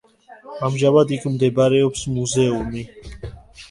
ამჟამად იქ მდებარეობს მუზეუმი.